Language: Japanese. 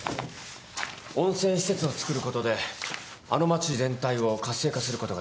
温泉施設をつくることであの町全体を活性化することができる。